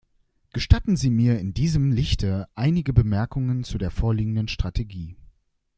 Gestatten Sie mir in diesem Lichte einige Bemerkungen zu der vorliegenden Strategie.